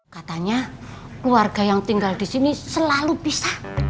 katanya keluarga yang tinggal disini selalu bisa